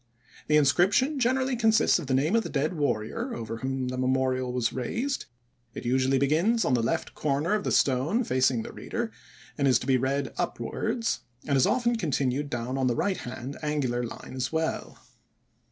The inscription generally contains the name of the dead warrior over whom the memorial was raised; it usually begins on the left corner of the stone facing the reader and is to be read upwards, and it is often continued down on the right hand angular line as well.